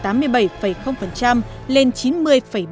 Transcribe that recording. trong thời gian vừa qua